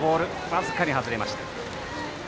僅かに外れました。